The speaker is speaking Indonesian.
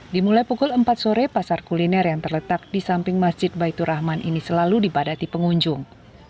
dimulai pukul empat sore pasar kuliner yang terletak di samping masjid baitur rahman ini selalu dipadati pengunjung